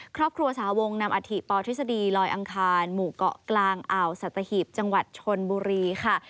ครอบครัวสาวงนำอาธิปทฤษฎีลอยอังคารหมู่เกาะกลางอ่าวสัตหีบจังหวัดชนบุรีค่ะ